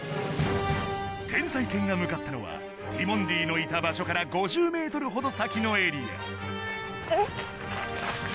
天才犬が向かったのはティモンディのいた場所から５０ｍほど先のエリアえっ？